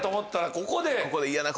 ここで。